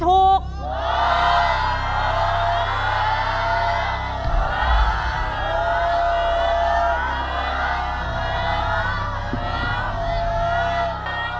ฮาวะละพร้อม